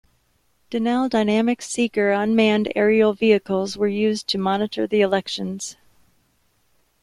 Denel Dynamics Seeker unmanned aerial vehicles were used to monitor the elections.